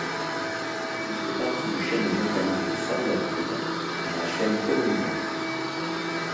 Il fait partie du chaînon montagneux Sir Donald, dans la chaîne Columbia.